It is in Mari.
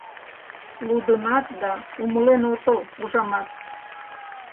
Лудынат да умылен отыл, ужамат.